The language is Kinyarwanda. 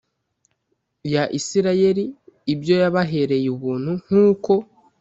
ya isirayeli ibyo yabahereye ubuntu nk uko